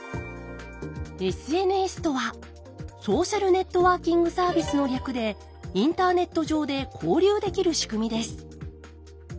ＳＮＳとは「ソーシャルネットワーキングサービス」の略でインターネット上で交流できる仕組みです。